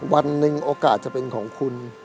วันหนึ่งโอกาสจะเป็นของคุณ